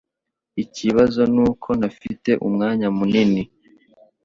Ikibazo nuko ntafite umwanya munini.